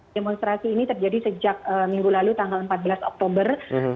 demonstrasi ini terjadi sejak minggu lalu tanggal empat belas oktober